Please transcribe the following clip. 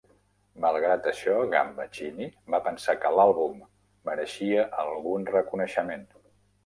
Malgrat això, Gambaccini va pensar que l'àlbum "mereixia algun reconeixement".